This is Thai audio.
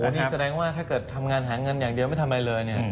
นี่แสดงว่าถ้าเกิดทำงานหาเงินอย่างเดียวไม่ทำอะไรเลยเนี่ย